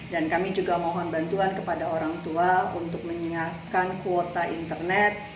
dan kami juga mohon bantuan kepada orang tua untuk menyiapkan kuota internet